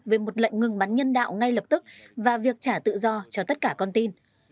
về một lệnh ngừng bắn nhân đạo ngay lập tức và việc trả tự do cho tất cả con tin